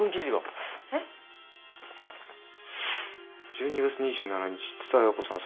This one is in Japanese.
「１２月２７日蔦彩子さん